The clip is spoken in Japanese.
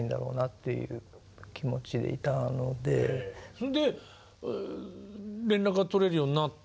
それで連絡が取れるようになった。